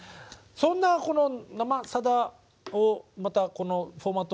そんなこの「生さだ」をまたこのフォーマットをお借りしまして。